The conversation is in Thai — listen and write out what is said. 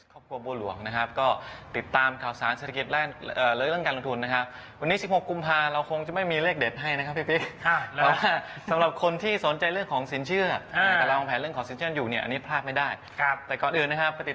แล้วก็ค่อยขึ้นมาตอนตลาดตามโทยามแค่นี้